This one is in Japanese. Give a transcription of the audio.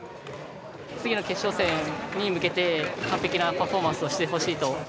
次の決勝戦に向けて完璧なパフォーマンスをしてほしいと思いました。